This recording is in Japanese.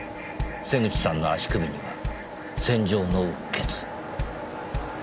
瀬口さんの足首には線状のうっ血。